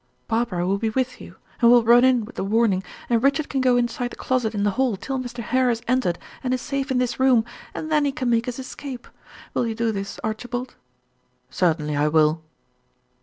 Barbara will be with you, and will run in with the warning, and Richard can go inside the closet in the hall till Mr. Hare has entered and is safe in this room, and then he can make his escape. Will you do this, Archibald?" "Certainly I will."